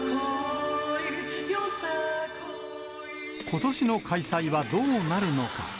ことしの開催はどうなるのか。